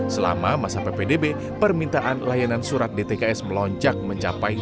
selama masa ppdb permintaan layanan surat dtks melonjak mencapai